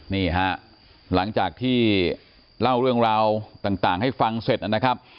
นี่ฮะหลังจากที่เล่าเรื่องราวต่างให้ฟังเสร็จนะครับ